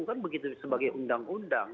kan begitu sebagai undang undang